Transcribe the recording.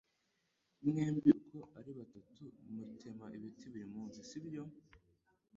Mwembi uko ari batatu mutema ibiti buri munsi, sibyo?